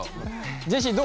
ジェシーどう？